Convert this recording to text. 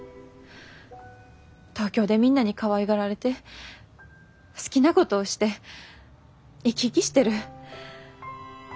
東京でみんなにかわいがられて好きなことをして生き生きしてる。